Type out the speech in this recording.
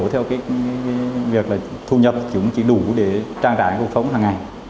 theo cái việc là thu nhập cũng chỉ đủ để trang trải cuộc sống hàng ngày